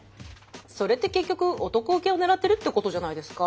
それって結局男ウケを狙ってるってことじゃないですか？